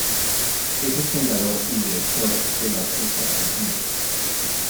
Es el fundador y director de la orquesta Kashmir.